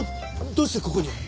どうしてここに？